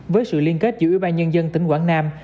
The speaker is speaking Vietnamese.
với sự liên kết giữa ủy ban nhân dân tỉnh quảng nam